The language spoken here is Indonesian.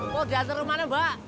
kok diantar ke rumahnya mbak